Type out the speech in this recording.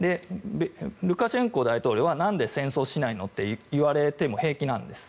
ルカシェンコ大統領はなんで戦争しないのって言われても平気なんです。